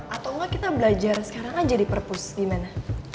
atau enggak kita belajar sekarang aja di purpus gimana